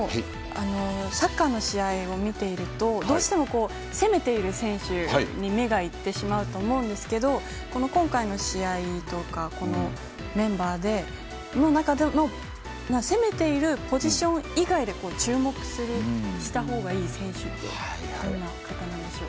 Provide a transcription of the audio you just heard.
サッカーの試合を見ているとどうしても、攻めている選手に目が行ってしまうと思うんですが今回の試合とかメンバーの中で攻めているポジション以外で注目したほうがいい選手ってどんな方なんでしょう？